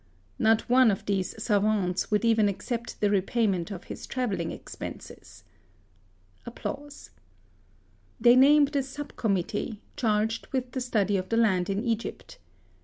Not one of these savants would even accept the repayment of his travelling expenses. They named a sub committee, charge^ with the study of the land in Egypt.